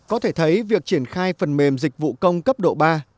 có thể thấy việc triển khai phần mềm dịch vụ công cấp độ ba